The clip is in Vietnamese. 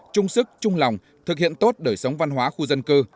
trung sức trung lòng thực hiện tốt đời sống văn hóa khu dân cư